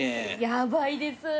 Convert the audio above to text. ヤバいです。